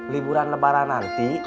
liburan lebaran nanti